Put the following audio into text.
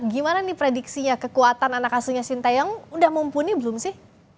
gimana nih prediksinya kekuatan anak asuhnya sintayong udah mumpuni belum sih